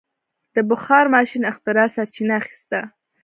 د بخار ماشین اختراع سرچینه اخیسته.